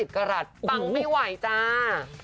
กรัฐปังไม่ไหวจ้า